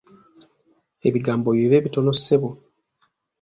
Ebigambo bibe bitono ssebo.